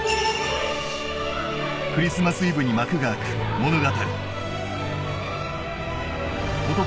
クリスマスイブに幕が開く物語。